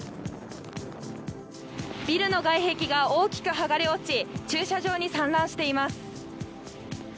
ビルの外壁が大きく剥がれ落ち、駐車場に散乱しています。